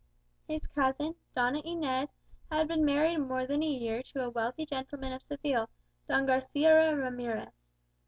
His cousin, Doña Inez, had been married more than a year to a wealthy gentleman of Seville, Don Garçia Ramirez.